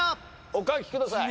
お書きください。